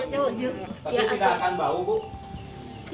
tapi tidak akan bau ibu